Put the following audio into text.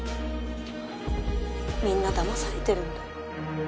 みんなだまされてるんだよ。